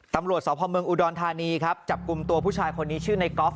ตำรวจสพเมืองอุดรธานีครับจับกลุ่มตัวผู้ชายคนนี้ชื่อในกอล์